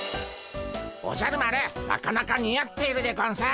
おじゃる丸なかなか似合っているでゴンス。